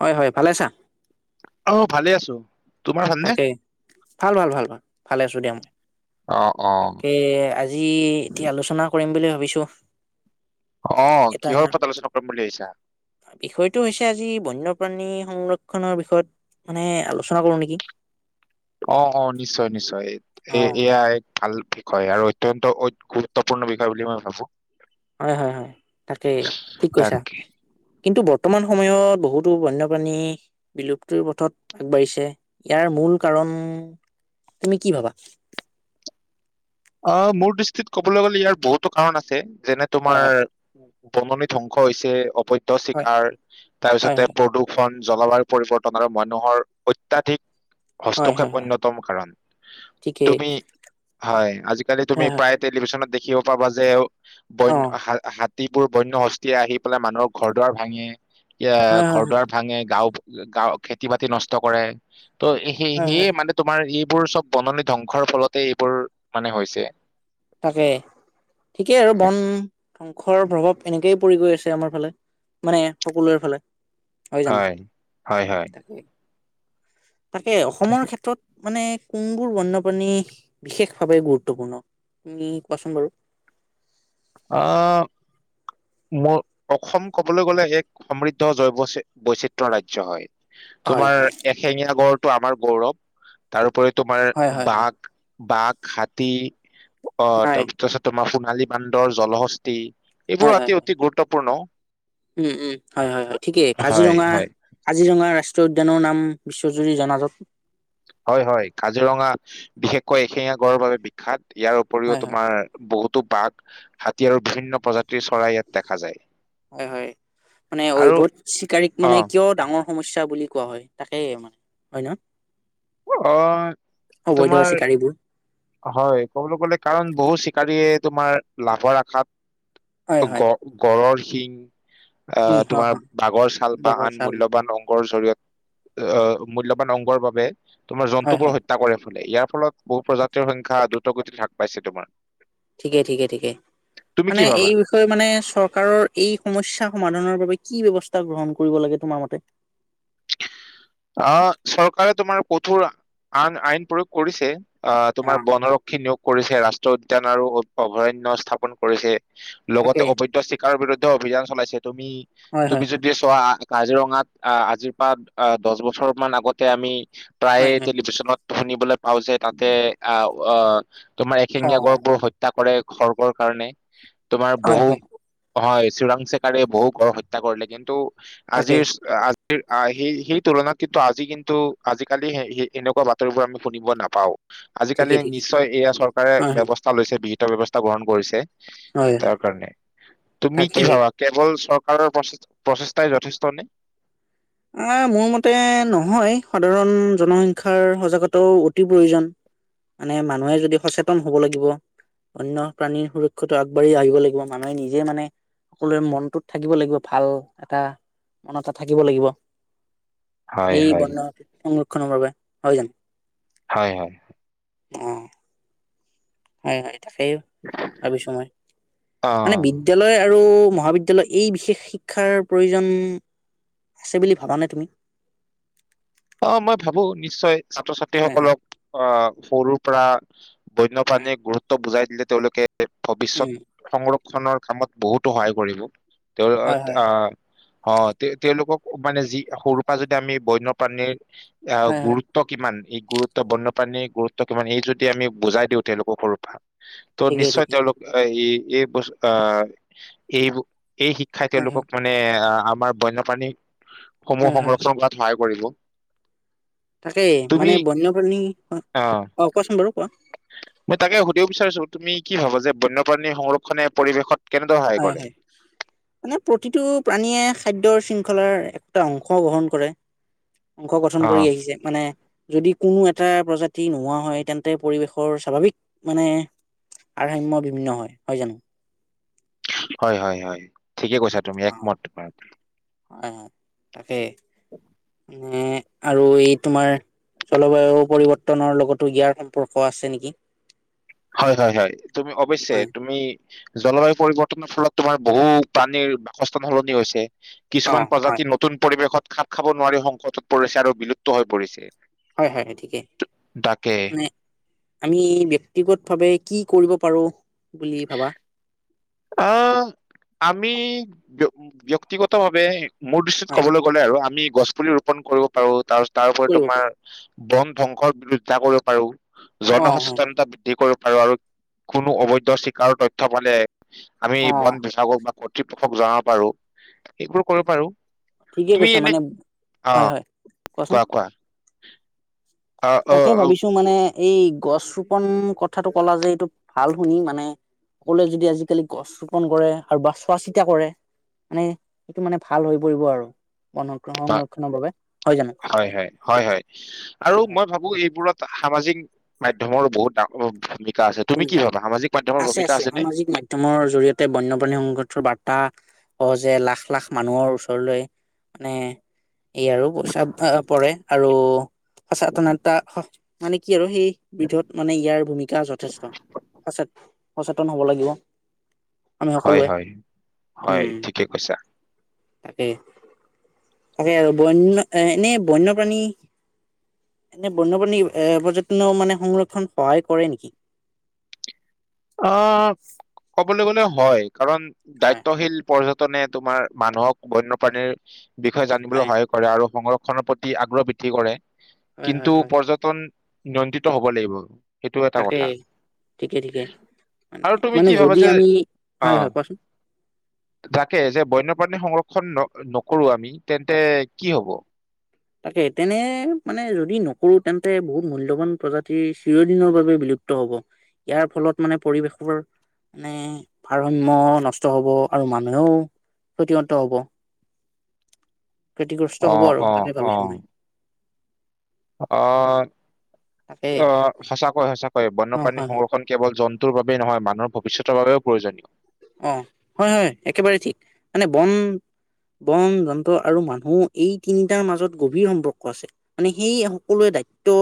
হয় হয় ভালে আছা? অহ ভালে আছো। তোমাৰ ভালনে তাকে, ভাল ভাল ভাল ভাল। ভালে আছো দা মই, অ অ তাকে আজি এতিয়া আলোচনা কৰিম বুলি ভাব, ভাবিছোঁ। অহ কিহৰ ওপৰত আলোচনা কৰিম বুলি আহিছা প্ৰাণী সংৰক্ষণৰ বিষয়ত মানে আলোচনা কৰো নেকি। অ অ নিশ্চয় নিশ্চয়, অ এ এয়া এক ভাল, হয় আৰু অত্যন্ত গুৰুত্বপূৰ্ণ বিষয় বুলি মই ভাবো। হয় হয় হয় তাকেই ঠিক তাক কৈছা কিন্তু, বৰ্তমান সময়ত বহুতো বন্যপ্ৰাণী বিলুপ্তিৰ পথত আগবাঢ়িছে ইয়াৰ মূল কাৰণ তুমি কি ভাবা? অ মোৰ দৃষ্টিত কবলৈ গ'লে ইয়াৰ বহুতো কাৰণ আছে। যেনে হয় তোমাৰ, উপননীত ধ্বংস হৈছে অ, হয় চিকাৰ হয় তাৰপিছতে হয় প্ৰদূৰষণ, জলবায়ু পৰিৱৰ্তন আৰু মানুহৰ অত্য়াধিক, হয় হয় হস্তক্ষেপ হয় হয় অন্যতম কাৰণ ঠিকেই তুমি হয়, আজিকালি তুমি হয় হয় প্ৰায় টেলিভিছন, ত দেখিব পাবা যে, অ বন্য আ হা বোৰ বন্যহস্তিয়ে আহি পেলাই মানুহৰ ঘৰ দুৱাৰ ভাঙে, এ হয় হয় ঘৰ হয় দুৱাৰ ভাঙে গাওঁ। গাওঁ খেতি বাতি নষ্ট কৰে। ত' হয় সেয়ে হয় মানে তোমাৰ ই, এইবোৰ চব বননি ধ্ববংসৰ ফলতে এইবোৰ, মানে হৈছে, তাকে ঠিকেই আৰু হয় বন, ধ্বংসৰ প্ৰভাৱ এনেকেই পৰি গৈ আছে আমাৰ ফালে মানে সকলোৰে ফালে, নহয় জানো? হয় হয় হয়। তাকে তাকে অসমৰ ক্ষেত্ৰত, মানে কোনবোৰ বন্যপ্ৰাণী বিশেষ ভাৱে গুৰুত্বপূৰ্ণ, তুমি কোৱাচোন বাৰু, অঁ ম অসম কবলৈ গলে এক সমৃদ্ধ জৈৱ বৈচিত্ৰ ৰাজ্য হয়। হয় তোমাৰ হয় এহেঙীয়া গড়, টো আমাৰ গৌৰৱ তাৰ উপৰিত, তোমাৰ হয় হয় হয়। বাঘ, বাঘ, হাতী অ হয় তাৰ পিছত তোমাৰ। কালি পান। ৰ জলশস্তি। এইবোৰ হয় হয় অতি অতি গুৰুত্বপূৰ্ণ। উম উম হয় হয় হয় ঠিকেই হয়, কাজিৰঙা হয়, কাজিৰঙা ৰা উচ্চ উদ্যানৰ নাম বিশ্বজুৰি জনাজাত। হয় হয় কাজিৰঙা বিশেষকৈ এশেঙীয়া গড়ৰ বাবে বিখ্যাত। ইয়াৰ উপৰিও হয় হয়। তোমাৰ বহুত। বাঘ হাতী আৰু বিভিন্ন প্ৰজাতিৰ চৰাই ইয়াত দেখা যায়। হয় হয় মানে আৰু অবৈধ চিকাৰীক মানে অ', কিয় ডাঙৰ সমস্যা বুলি- কোৱা হয় তাকেই মানে হয় ন। অ অবৈধ তোমাৰ চিকাৰীবোৰ। হয় ক'বলৈ গ'লে কাৰণ বহু- চিকাৰীয়ে তোমাৰ লাভৰ হয় আশাত। হয়। গ গড়ৰ শিং আহ সিংহ তোমাৰ বাঘৰ চাল বা বাঘৰ আন চাল মূল্যবান অ কল জৰিয়ত মূল্যবান অংগৰ বাবে। তোমাৰ হয় জন্তু বোৰ হয় হত্যা কৰে। ফালে ইয়াৰ ফলত বহু প্ৰজাতিৰ সংখ্যা দ্ৰুত গতিত হ্ৰাস পাইছে তোমাৰ। ঠিকে ঠিকে ঠিকে তুমি কি মানে ভাবা এই বিষয়ে মানে চৰকাৰৰ এই সমস্যা। সমাধানৰ বাবে কি ব্যৱস্থা গ্ৰহণ কৰিব লাগে তোমাৰ মতে। অ চৰকাৰে তোমাৰ কঠোৰ আন আইন প্ৰয়োগ কৰিছে। অ তোমাৰ বনৰক্ষী নিয়োগ। কৰিছে ৰাষ্ট্ৰীয় উদ্যান আৰু অভয়াৰন্য স্থাপন কৰিছে। লগতে তাকে অবৈধ চিকাৰ বিৰুদ্ধ। অভিযান চলাইছে। তুমি হয় হয় তুমি যদি চোৱা। কাজিৰঙাত অ আজিৰ পৰা। দহ বছৰ মান আগতে আমি- প্ৰায় হয় হয় টেলিভিছনত। শুনিবলৈ। পাওঁ যে তাতে আহ। অ তোমাৰ অ এশেঙীয়া গড়বোৰ হত্যা কৰে। খগৰ্্বৰ কাৰণে? তোমাৰ হয় বহু? হয় হয় চোৰাং চেকাৰে বহু গৰ হত্যা কৰিলে কিন্তু? তাকে আজি আহ সেই তুলনাত কিন্তু আজি কিন্তু আজিকালি স এনেকুৱা বাতৰিবোৰ আমি শুনিব নাপাওঁ? আজিকালি ঠিকে ঠিকে নিশ্চয় এয়া চৰকাৰে হয় হয় ব্যৱস্থা লৈছে বিহ। ব্যৱস্থা গ্ৰহণ কৰিছে? হয় হয় তাৰ কাৰণে তুমি তাকে কি ভাবা কেৱল চ। প্ৰচেষ্টাই যথেষ্টনে? আহ মোৰ মতে নহয় সাধাৰণ জনসংখ্য্াৰ সজাগতাও অতি প্ৰয়োজন মানে মানুহে যদি সচেতন হব লাগিব অনন্য প্ৰাণীৰ সুৰক্ষিতটো আগবাঢ়ি আহিব লাগিব মানুহে নিজে মানে সকলোৰে মনটোত থাকিব লাগিব ভাল এটা মন এ থাকিব লাগিব। হয় সেই হয় বনত সংৰক্ষ। সংৰক্ষণ ভাবে হয় জানো? হয় হয় অ হয় হয় তাকেই ভাবিছো মই মানে অ বিদ্যালয়? আৰু মহাবিদ্যালয় এই বিশেষ শিক্ষাৰ প্ৰয়োজন আছে বুলি ভাবানে তুমি। অ মই ভাবো নিশ্চয়? ছাত্ৰ ছাত্ৰী হয় হয় সকলক আহ সৰুৰ পৰা হয় বন্যপ্ৰাণীয়েক গুৰুত্ব বুজাই দিলে। তেওঁলোকে? ভৱিষ্যত উম সংৰক্ষ। খনৰ কামত বহুতো সহায় কৰিব? তেওঁ হয় হয় আহ। অ তে তেওঁলোকক মানে যি সৰুৰ পৰা যদি আমি বন্য। প্ৰনী অ হয় হয় গুৰুত্ব কিমান এই। গুৰুত্ব বন্যপ্ৰাণীৰ গুৰুত্ব কিমান এই যদি আমি বুজাই দিওঁ তেওঁলোকক সৰুৰ পৰা। ত' ঠিকেই নিশ্চয় ঠিকেই তেওঁলোক আহ্ হেৰি? এই ব আ এইবো? এই শিক্ষাই হয় হয় তেওঁলোকক মানে আ। আমাৰ বন্যপ্ৰাণী? সমূহ সংৰক্ষন কৰাত সহায় কৰিব। তাকে মানে তুমি বন্যপ্ৰাণী হয় আহ অ কোৱাচোন বাৰু। কোৱা মই তাকে সুধিব বিচাৰিছো, তুমি কি ভাৱা যে? বন্যপ্ৰাণী সংৰক্ষণে পৰিৱেশত কেনেদৰে সহায় হয়, কৰে? হয় মানে প্ৰতিটো প্ৰাণীয়ে খাদ্যৰ শৃংখলাৰ একোটা অংশ গ্ৰহণ কৰে। অংশ গঠন কৰি অ', আহিছে। মানে যদি কোনো এটা প্ৰজাতি নোহোৱা হয়, তেন্তে পৰিৱেশৰ স্বাভাৱিক মানে আৰাম্য বিভিন্ন হয়। নহয় জানো? হয়, হয়, হয়, ঠিকেই কৈছা তুমি, অ', একমত তোমাত হয়। তাকে। অ, এনে আৰু, এই তোমাৰ জলবায়ু পৰিৱৰ্তনৰ লগতো ইয়াৰ সম্পৰ্ক আছে নেকি? হয়, হয়, হয়, তুমি অৱশ্যে হয়, তুমি জলবায়ু পৰিৱৰ্তনৰ ফলত তোমাৰ, বহু প্ৰাণীৰ বাসস্থান সলনি হৈছে। কিছুমান অ', হয়, প্ৰজাতি নতুন পৰিৱেশত খাপ খাব নোৱাৰি, সংকটত পৰিছে, আৰু বিলুপ্ত হৈ পৰিছে, হয়, হয়, হয় ঠিকে তাকে আমি, ব্যক্তিগত ভাৱে কি কৰিব পাৰোঁ বুলি ভাবা? আহ আমি ব্য ব্যক্তিগত ভাৱে মোৰ দৃষ্টিত হয়, ক'বলৈ গ'লে, আৰু আমি গছ পুলি ৰোপন কৰিব পাৰো, তাৰপাছত তাৰোপৰি কৰিব তোমাৰ, পাৰি বন ধ্বংসৰ বিৰোধিতা কৰিব পাৰো। অ', হয়, জনসচেতনতা বৃদ্ধি কৰিব আৰু, আৰু কোনো অবৈধ চিকাৰৰ তথ্য পালে আমি বন অ', বিভাগক বা কৰ্ ৰ্তিপষক জনাব পাৰো, এইবোৰ কৰিব পাৰো। ঠিকেই তুমি কৈছা, এনে মানে অ হয়, হয় কোৱাচোন? কোৱা, কোৱা [inaudible] অ তাকে অ, ভাবিছো মানে এই গছ ৰোপন কথাটো কলা যে, এইটো ভাল শুনি মানে সকলোৱে যদি আজিকালি গছ ৰোপন কৰে, আৰু বা চোৱা চিতা কৰে মানে এইটো মানে ভাল হৈ পৰিব আৰু, বন হয়, সংৰক্ষণৰ বাবে জানো? হয়, হয়, হয়, হয় আৰু হয় হয় মই ভাবো এইবোৰত সামাজিক মাধ্যমৰো বহুত ডাঙৰ ভ ভূমিকা আছে, আছে সামাজিক মাধ্যমৰ জৰিয়তে বন্যপ্ৰাণী সংগঠৰ বাৰ্তা এটা সহজে লাখ লাখ মানুহৰ ওচৰলৈ মানে- ইয়াৰো চাপভা পৰে আৰু সঁচাটো নটা মানে কি কি আৰু সেই বিধত মানে ইয়াৰ ভূমিকা যথেষ্ট পাচত সচেতন হ'ব লাগিব। আমি হয় সকলোৱে হয় হয় উম ঠিকে কৈছা। তাকে তাকে আৰু বন্য এ এনে বন্যপ্ৰাণী এনে বন্যপ্ৰাণী এ পৰ্যটনৰ মানে সংৰক্ষণ সহায় কৰে নেকি। অ ক'বলৈ গ'লে হয়। কাৰণ হয় দায়িত্বশীল পৰ্যট তেনে তোমাৰ মানুহক বন্যপ্ৰাণীৰ। বিষয়ে জানিবলৈ এ সহায় কৰে আৰু সংৰক্ষ খনৰ প্ৰতি আগ্ৰহ বৃদ্ধি কৰে। হয় হয় কিন্তু হয় পৰ্যটন। নিয়ন্ত্ৰিত হ'ব লাগিব। সেইটো এটা তাকে কথা ঠিকে ঠিক। আৰু তুমি কি ভাবা যে অ হয় হয় কোৱাচোন তাকে যে বন্যপ্ৰাণী সংৰক্ষ খন নকৰোঁ আমি তেন্তে কি হ'ব? তাকে তেনে মানে যদি নকৰোঁ তেন্তে বহুত মূল্যবান প্ৰজাতি চিৰদিনৰ বাবে বিলুপ্ত হ'ব। ইয়াৰ ফলত মানে পৰিৱেশৰ মানে ভাৰসাম্য নষ্ট হ'ব ।আৰু মানুহেও ক্ষতিগত হ'ব। ক্ষতিগ্ৰস্ত অ হ'ব আৰু। যাবিচোন তাকে আহ অ সঁচাকৈ সঁচাকৈ অ হয় বন্যপ্ৰাণীৰ হয় সংৰক্ষণ কেৱল জন্তু বাবেই নহয় মানুহৰ ভৱিষ্যতৰ বাবেও প্ৰয়োজনীয়। অ হয় হয় একেবাৰে ঠিক মানে ।বন বন যন্ত্ৰ আৰু মানুহ এই তিনিটাৰ মাজত গভীৰ সম্পৰ্ক আছে। মানে সেই সকলোৱে দায়িত্ব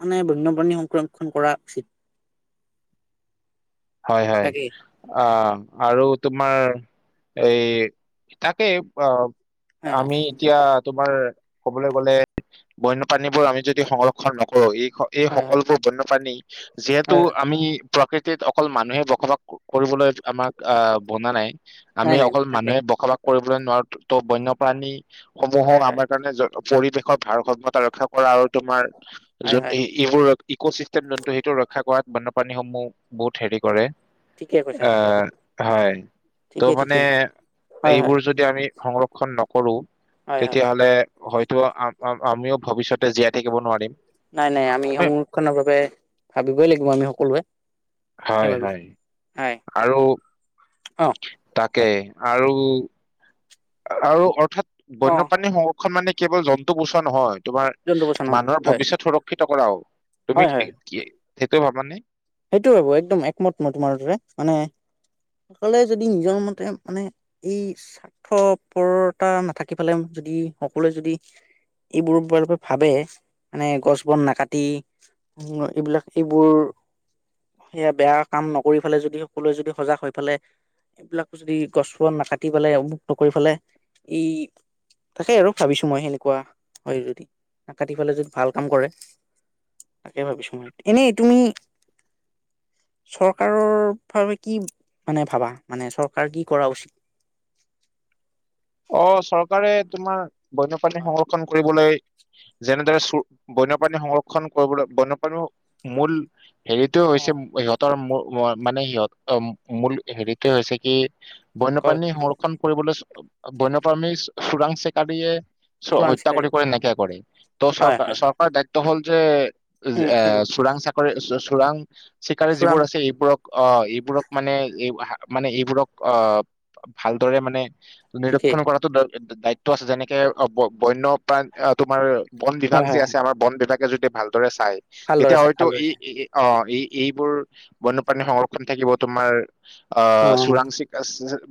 মানে বন্যপ্ৰাণী সংৰক্ষণ কৰা উচিত। হয় হয় তাকেই আহ আৰু তোমাৰ এই তাকে অ হয় আমি এতিয়া তোমাৰ কবলৈ গ'লে বন্যপ্ৰানী বোৰ আমি যদি সংৰক্ষন নকৰোঁ ই- এই হয় হয় সকলোবোৰ বন্যপ্ৰাণী যিহেতু হয় হয় হয় আমি। প্ৰকৃতিত। অকল মানুহে বসবাস কৰিবলৈ আমাক আহ বনা নাই। নাই আমি নাই অকল তাকে মানুহে বখলত কৰিবলৈ নোৱাৰ ত' বন্যপ্ৰাণী সমূহৰ হয় হয় আমাৰ কাৰণে যত পৰিৱেশৰ ভাৰসমতা ৰক্ষা কৰা আৰু তোমাৰ হয় যত হয় এই এইবোৰত ইক' চিষ্টেম যোনটো সেইটো ৰক্ষা কৰাত বান্যপ্ৰাণীসমূহ বহুত হেৰি কৰে ঠিকে কৈছা আহ হয় ঠিকে ত' মানে ঠিকে হয় হয় এইবোৰ যদি আমি সংৰক্ষণ নকৰোঁ হয় হয় হয় তেতিয়াহ'লে হয় ত আমিও ভৱিষ্যতে জীয়াই থাকিব নোৱাৰিম নাই নাই আমি মই- সংৰক্ষণৰ বাবে ভাবিবই লাগিব আমি সকলোৱে তাকে হয় ভাবিছো হয় হয় আৰু অ তাকে আৰু আৰু অৰ্থাৎ অ বন্যপ্ৰাণী সম খন মানে কেৱল জন্তু বচোৱা নহয় তোমাৰ জন্তু বচন হয় মানুহৰ হয় ভৱিষ্যত সুৰক্ষিত কৰাও হয় তুমি হয় কি সেইটোও ভাবা নেই সেইটো ভাবো একদম একমত মই তোমাৰ দৰে মানে সকলোৱে যদি নিজৰ মতে মানে এই স্বাৰ্থপৰতা নাথাকি ফালে যদি সকলোৱে যদি এইবোৰ ভাবে মানে গছ বন নাকাটি এইবিলাক এইবোৰ সেয়া বেয়া কাম নকৰি ফালে যদি সকলোৱে যদি সজাগ হৈ পেলে এইবিলাক যদি গছবন নাকাটি পেলাই অমখ নকৰি ফেলে ই তাকেই আৰু ভাবিছো মই সেনেকুৱা হয় যদি নাকাটি পেলাই যদি ভাল কাম কৰে তাকে ভাবিছো মই এনেই তুমি চৰকাৰৰ বাবে কি মানে ভাবা মানে চৰকাৰ কি কৰা উচিত অ চৰকাৰে তোমাৰ বন্যপ্ৰণী হয় সংৰক্ষণ কৰিবলৈ যেনেদৰে বন্যপ্ৰাণী সংৰক্ষণ কৰিবলৈ বন্যপ্ৰাণী মূল হেৰিতো অ হৈছে সিহঁতৰ মানে সিহঁত মূল হেৰিটো হৈছে কি কয় বন্যপ্ৰাণী হয় সংৰক্ষণ কৰিবলৈ বন্যপ্ৰামী চোৰাং চেকাৰীয়ে চোৰাং হত্যা চিকাৰী কৰি কৰি নাইকিয়া কৰে ত হয় চৰকাৰ হয় চৰকাৰৰ দায়িত্ব হ'ল যে উম এ উম চোৰাং চাকৰি চো চোৰাং চিকাৰী চোৰাং যিবোৰ আছে এইবোৰক অ এইবোৰক মানে এই মানে এইবোৰক অ ভালদৰে মানে ঠিকেই নিৰক্ষণ কৰাটো দৰ দায়িত্ব আছে যেনেকে অ বন্য প্ৰাণ তোমাৰ বন বিভাগ হয় যে হয় হয় আছে আমাৰ বন বিভাগ সিহঁতে যদি ভালদৰে চাই ভালদৰে তেতিয়া চাই হয়তো ভালদৰে ই চাই অ এই এই এইবোৰ বন্যপ্ৰাণী সংৰক্ষণ থাকিব তোমাৰ অ চোৰাং চিকাৰী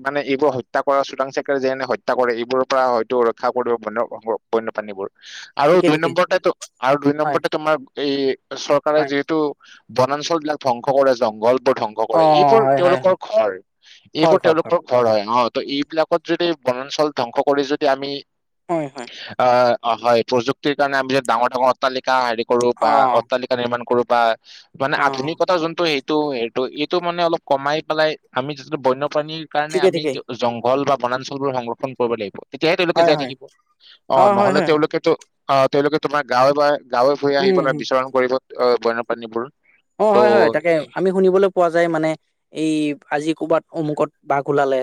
মানে এইবোৰ হত্যা কৰা চোৰাং চিকা যেনে হত্যা কৰে এইবোৰৰ পৰা হয়তো ৰক্ষা কৰিব বন বন্যপ্ৰাণীবোৰ আৰু ঠিকে দুই ঠিকে নম্বৰতেটো আৰু দুই হয় নম্বৰতে তোমাৰ এই চৰকাৰে হয় যিহেতু বনাঞ্চল বিলাক ধ্বংস কৰে জংঘল বোৰ ধ্বংস অ কৰে এইবোৰ হয় হয় তেওঁলোকৰ হয় ঘৰ, এইবোৰ তেওঁলোকৰ ঘৰ হয় ন ত এই বিলাক ত যদি বনাঞ্চল ধ্বংস কৰি যদি আমি হয় হয় অ অ হয় প্ৰযুক্তিৰ কাৰণে আমি যে ডাঙৰ ডাঙৰ অট্টালিকা হেৰি কৰো অ বা অট্টালিকা নিৰ্মাণ কৰো বা মানে অ আধুনিকতা যোনটো সেই টো এইটো এইটো মানে অলপ কমাই পেলাই আমি যি বন্য প্ৰানীৰ কাৰণে ঠিকে আমি ঠিকে জংঘল বা বনাঞ্চলবোৰ সংৰক্ষণ কৰিব লাগিব তেতিয়াহে তেওঁলোকে হয় জীয়াই হয় থাকিব, অ হয় নহলে হয় তেওঁলোকেতো অ তেওঁলোকে তোমাৰ গাঁওয়ে গাঁওয়ে গাঁওয়ে ভূঁয়ে আহি উম পিনে হম বিচৰণ কৰে যে অ বণ্য প্ৰানীবোৰ অ হয় হয় তাকে আমি শুনিবলৈ পোৱা যায় মানে এই আজি কৰ'বাত অমুকত বাঘ ওলালে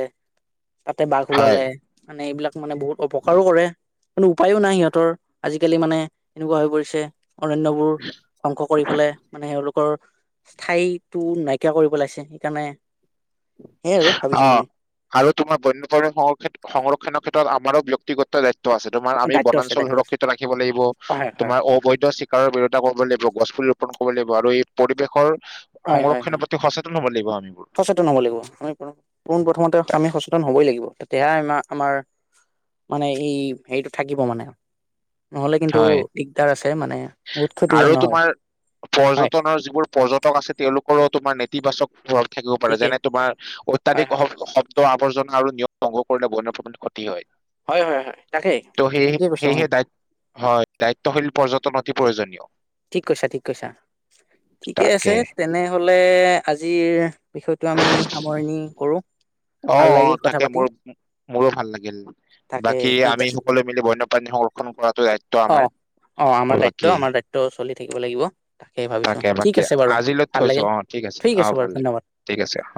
তাতে বাঘ হয় ওলালে মানে এইবিলাক মানে বহুত অপকাৰো কৰে কোনো উপায়ো নাই সিহঁতৰ আজি কালি মানে এনেকুৱা হৈ পৰিছে। অৰণ্যবোৰ ধ্বংস কৰি পেলাই মানে আৰু সলোক তৰ স্থায়ীটো নাইকিয়া কৰি পেলাইছে সেইকাৰণে সেয়াই আৰু অ ভাবিছো মই আৰু তোমাৰ বন্যপ্ৰাণীৰ সংৰ সংৰক্ষণৰ ক্ষ্ণেএ আমাৰো ব্যক্তিগত্ব য়িত্ব আছে তোমাৰ আমি দায়িত্ব আছে বনাঞ্চল দায়িত্ব আছে সুৰক্ষিত ৰাখিব লাগিব হয় হয় তোমাৰ অবৈধ চিকাৰৰ বিৰতা কৰিব লাগিব গছ পুলি ৰুপন কৰিব লাগিব কৰিব লাগিব আৰু এই পৰিৱেশৰ হয় হয় সংৰক্ষণৰ হয় প্ৰতি সচেতন ন হব লাগিব আমিবোৰ সচেতন হব লাগিব। আমি পোন প্ৰথমতে তাক আমি সচেতন হৈ বৈ লাগিব তেতিয়াহে আম আমাৰ মানে ই হেৰিটো থাকিব মানে নহ'লে কিন্তু হয় দিগদাৰ আছে মানে বহুত আৰু ক্ষতিপূৰ্ণ হয় তোমাৰ হয় পৰ্যটনৰ যিবোৰ পৰ্যটক আছে তেওঁলোকৰো তোমাৰ নেত ইতিবাচক থাকিব পাৰে ঠিকেই যেনে তোমাৰ হয় অত্যাধিক হয় শব্দ আৱৰ্জনা আৰু নিয় [unintelligible] হয় হয় হয় তাকেই সেই ঠিকে কৈছো মই সেয়েহে দায়িত্ব হয় দায়িত্বশীল পৰ্যটন অতি প্ৰয়োজনীয় ঠিক কৈছা ঠিক কৈছা ঠিকে আছে তাকে তেনেহলে আজিৰ বিষয়টো আমি সামৰণি কৰো অ ভাল অ লাগিল কথা তাকে পাতি মোৰ মোৰো ভাল লাগিল তাকে বাকী ঠিক আমি আছে সকলোৱে মিলি বন্যপ্ৰাণী সংৰক্ষণ কৰাটো দায়িত্ব অ অ আমাৰ দায়িত্ব বাকী আমাৰ দায়িত্ব চলি থাকিব লাগিব তাকে ভাবিছো ঠিক বাকী আছে বাৰু আজিলৈ ভাল থৈছো লাগিল অ ঠিক অ আছে বাৰু ভাল লাগিল ধন্যবাদ। ঠিক আছে অ।